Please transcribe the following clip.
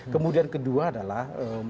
kemudian kedua adalah